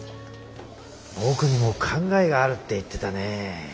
「僕にも考えがある」って言ってたね。